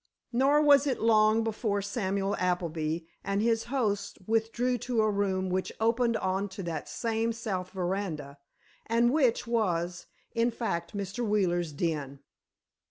Nor was it long before Samuel Appleby and his host withdrew to a room which opened on to that same south veranda, and which was, in fact, Mr. Wheeler's den.